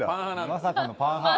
まさかのパン派。